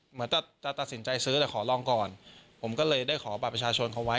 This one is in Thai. เหมือนจะตัดสินใจซื้อแต่ขอลองก่อนผมก็เลยได้ขอบัตรประชาชนเขาไว้